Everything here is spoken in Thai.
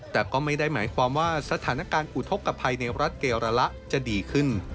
แต่ก็ไม่ได้หมายความว่าสถานการณ์อุทธกภัยในรัฐเกราละจะดีขึ้น